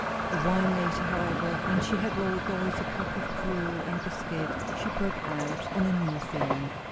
A while later, however, when she had brought Lois a cup of gruel and biscuit, she broke out on a new theme.